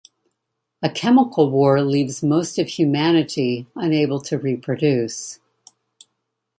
A chemical war leaves most of humanity unable to reproduce.